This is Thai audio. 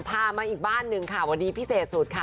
มาอีกบ้านหนึ่งค่ะวันนี้พิเศษสุดค่ะ